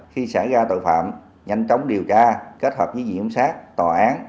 khi xảy ra tội phạm nhanh chóng điều tra kết hợp với diễn xác tòa án